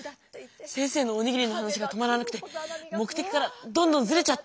先生のおにぎりの話が止まらなくて目的からどんどんずれちゃってる！